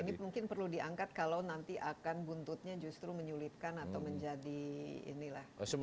ini mungkin perlu diangkat kalau nanti akan buntutnya justru menyulitkan atau menjadi inilah